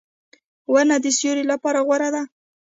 • ونه د سیوری لپاره غوره ده.